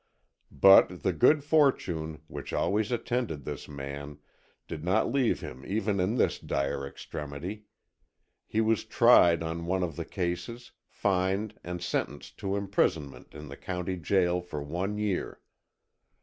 But the good fortune, which always attended this man, did not leave him even in this dire extremity. He was tried on one of the cases, fined and sentenced to imprisonment in the county jail for one year.